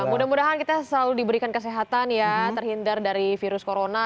mudah mudahan kita selalu diberikan kesehatan ya terhindar dari virus corona